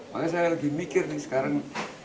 makanya saya lagi mikir nih sekarang